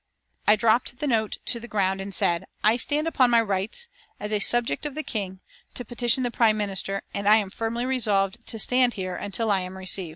I dropped the note to the ground and said: "I stand upon my rights, as a subject of the King, to petition the Prime Minister, and I am firmly resolved to stand here until I am received."